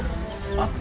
あっ！